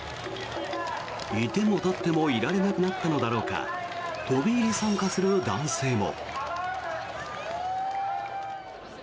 いても立ってもいられなくなったのだろうか飛び入り参加する男性も。